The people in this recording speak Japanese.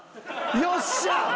よっしゃ！